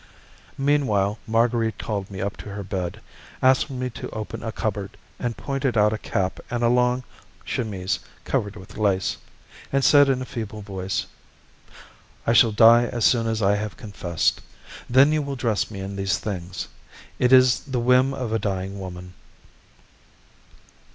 Meanwhile Marguerite called me up to her bed, asked me to open a cupboard, and pointed out a cap and a long chemise covered with lace, and said in a feeble voice: "I shall die as soon as I have confessed. Then you will dress me in these things; it is the whim of a dying woman."